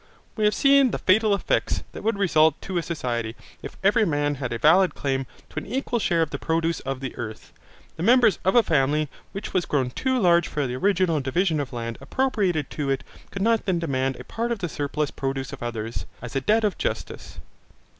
We have seen the fatal effects that would result to a society, if every man had a valid claim to an equal share of the produce of the earth. The members of a family which was grown too large for the original division of land appropriated to it could not then demand a part of the surplus produce of others, as a debt of justice.